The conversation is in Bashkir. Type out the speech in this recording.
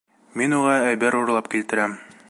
Мин уға әйбер урлап килтерәм.